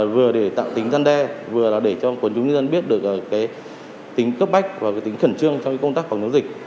vừa để tạo tính gian đe vừa là để cho quần chúng nhân dân biết được tính cấp bách và tính khẩn trương trong công tác phòng chống dịch